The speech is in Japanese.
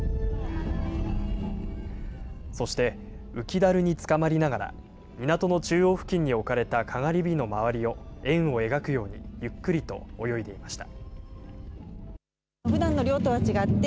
そして浮き樽につかまりながら、港の中央付近に置かれたかがり火の周りを円を描くようにゆっくりと泳いでいました。